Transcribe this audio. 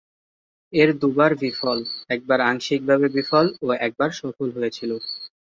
এর দুবার বিফল, একবার আংশিকভাবে বিফল ও একবার সফল হয়েছিল।